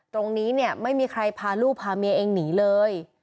ตรงนี้เนี่ยไม่มีใครพาลูกพาเมียเองหนีเลย